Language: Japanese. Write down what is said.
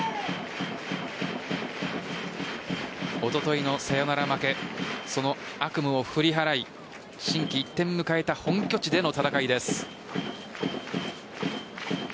おとといのサヨナラ負けその悪夢を振り払い心機一転迎えた本拠地での戦いです。